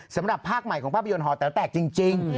สำหรับภาคใหม่ของภาพยนตหอแต๋วแตกจริง